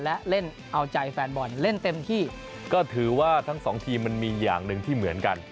และเล่นเอาใจแฟนบอลเล่นเต็มที่ก็ถือว่าทั้งสองทีมมันมีอย่างหนึ่งที่เหมือนกัน